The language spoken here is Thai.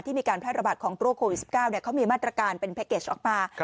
มีการแพร่ระบาดของโรคโควิด๑๙เขามีมาตรการเป็นแพ็กเกจออกมา